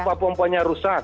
apa pomponya rusak